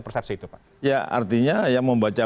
persepsi itu pak ya artinya yang membaca